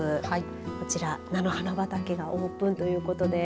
こちら、菜の花畑がオープンということで。